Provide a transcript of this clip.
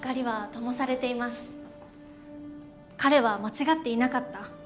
彼は間違っていなかった。